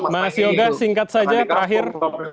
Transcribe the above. mas yoga singkat saja terakhir